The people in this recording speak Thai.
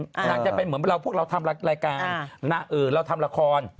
นางจะเป็นเหมือนเราพวกเราทำรายการเราทำละคร